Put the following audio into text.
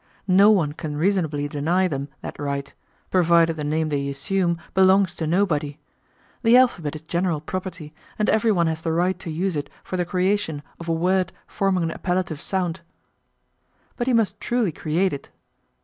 No one can reasonably deny them that right, provided the name they assume belongs to nobody. The alphabet is general property, and everyone has the right to use it for the creation of a word forming an appellative sound. But he must truly create it.